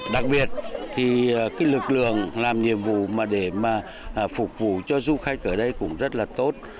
đặc biệt thì cái lực lượng làm nhiệm vụ mà để mà phục vụ cho du khách ở đây cũng rất là tốt